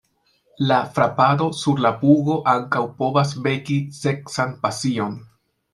La frapado sur la pugo ankaŭ povas veki seksan pasion.